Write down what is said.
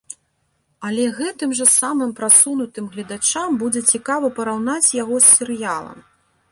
Але гэтым жа самым прасунутым гледачам будзе цікава параўнаць яго з серыялам!